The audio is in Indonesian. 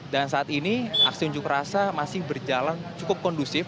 dan saat ini aksi unjuk rasa masih berjalan cukup kondusif